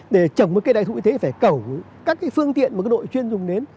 để trồng một cây đại thụ thế phải cẩu các phương tiện một nội chuyên dùng đến